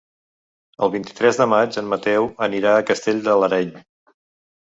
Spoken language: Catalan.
El vint-i-tres de maig en Mateu anirà a Castell de l'Areny.